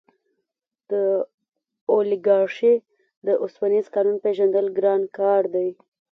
د اولیګارشۍ د اوسپنیز قانون پېژندل ګران کار دی.